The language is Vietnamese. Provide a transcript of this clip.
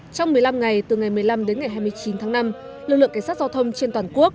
trong một mươi năm ngày từ ngày một mươi năm đến ngày hai mươi chín tháng năm lực lượng cảnh sát giao thông trên toàn quốc